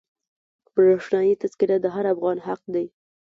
برښنایي تذکره د هر افغان حق دی.